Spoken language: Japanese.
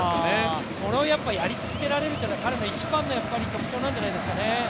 それをやっぱりやり続けられるというのは彼の一番の特徴なんじゃないですかね。